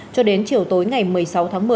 cho đến chiều tối ngày một mươi sáu tháng một mươi